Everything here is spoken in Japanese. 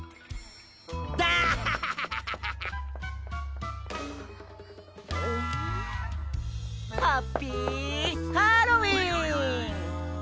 ダーッハッハッハッハッハッピーハロウィーン！